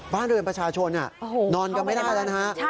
บ้านเรือนประชาชนนอนกันไม่ได้แล้วนะฮะ